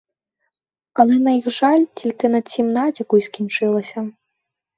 Але, на їх жаль, тільки на цім натяку й скінчилося.